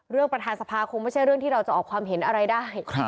ประธานสภาคงไม่ใช่เรื่องที่เราจะออกความเห็นอะไรได้